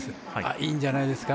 いいんじゃないですか。